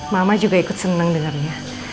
mama juga ikut seneng dengernya